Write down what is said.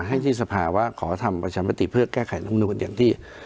ให้ที่สภาว่าขอทำประชามติเพื่อแก้ไขรำนูนอย่างที่